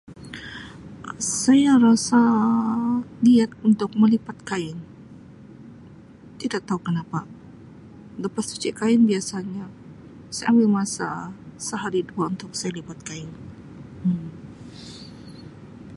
Saya rasa liat untuk melipat kain tidak tau kenapa lepas cuci kain biasanya saya ambil masa sehari dua untuk saya lipat kain Um.